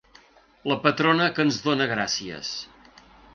La patrona que ens dóna gràcies.